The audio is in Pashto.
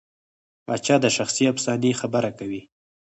پاچا د شخصي افسانې خبره کوي.